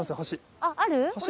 ある？